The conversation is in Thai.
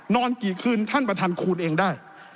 กี่คืนท่านประธานคูณเองได้